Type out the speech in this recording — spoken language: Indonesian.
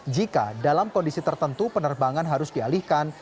jika dalam kondisi tertentu penerbangan harus dialihkan